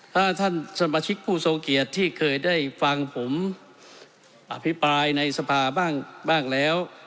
ถ้าท่านสมาชิกผู้ทรงเกียจที่เคยได้ฟังผมอภิปรายในสภาบ้างแล้ว